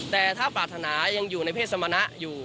แต่ถ้าปรารถนายังอยู่ในเผชมนะ